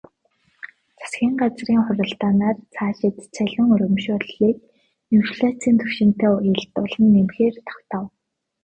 Засгийн газрын хуралдаанаар цаашид цалин урамшууллыг инфляцын түвшинтэй уялдуулан нэмэхээр тогтов.